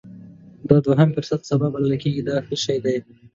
دا دوهم فرصت سبا بلل کېږي دا ښه شی دی.